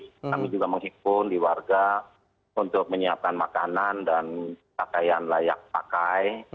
kami juga menghimpun di warga untuk menyiapkan makanan dan pakaian layak pakai